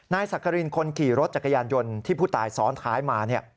สักกรินคนขี่รถจักรยานยนต์ที่ผู้ตายซ้อนท้ายมา